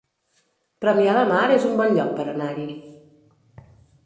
Premià de Mar es un bon lloc per anar-hi